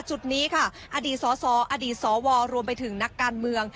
จุดนี้ค่ะอดีตสออดีตสวรวมไปถึงนักการเมือง